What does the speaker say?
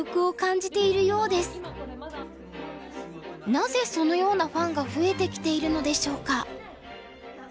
なぜそのようなファンが増えてきているのでしょうか？